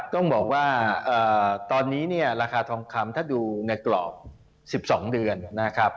ต้องบอกว่าตอนนี้เนี่ยราคาทองคำถ้าดูในกรอบ๑๒เดือนนะครับ